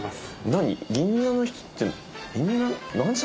何？